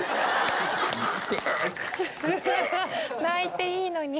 泣いていいのに。